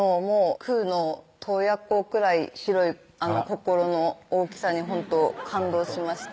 くーの洞爺湖くらい広い心の大きさにほんと感動しました